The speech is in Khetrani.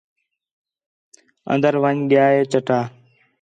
اندر ون٘ڄ ڳِیا ہے چٹا